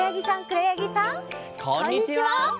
こんにちは！